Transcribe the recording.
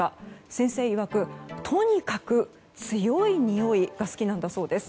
先生曰く、とにかく強いにおいが好きなんだそうです。